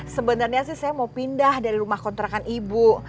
sebenarnya sih saya mau pindah dari rumah kontrakan ibu